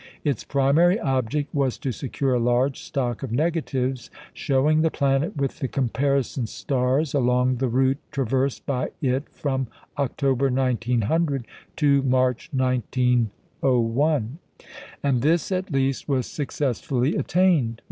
Its primary object was to secure a large stock of negatives showing the planet with the comparison stars along the route traversed by it from October, 1900, to March, 1901, and this at least was successfully attained.